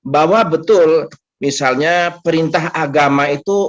bahwa betul misalnya perintah agama itu